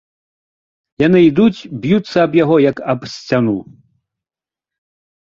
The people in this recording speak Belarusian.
Яны ідуць, б'юцца аб яго, як аб сцяну.